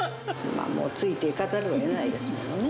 ついていかざるをえないですね。